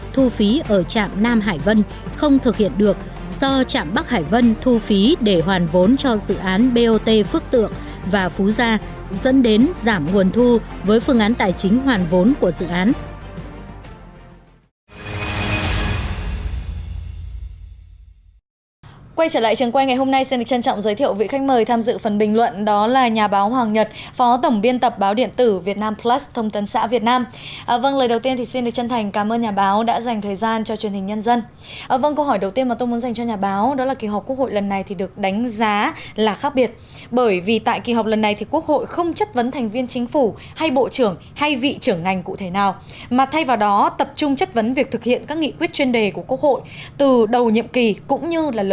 thu phí ở trạm nam hải vân không thực hiện được do trạm bắc hải vân thu phí để hoàn vốn cho dự án bot phước tượng và phú gia dẫn đến giảm nguồn thu với phương án tài chính hoàn vốn của dự án